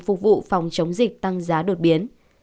phục vụ phòng chống dịch tăng giá đột biến